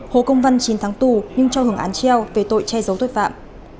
hồ công văn chín tháng tù nhưng cho hưởng án treo về tội che giấu tội phạm